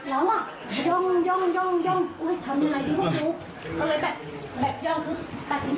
เปิดเป็นสองรอบอืมอันนี้ตาแกก็เลยบอกว่าโอ้โหเยอะเผ็น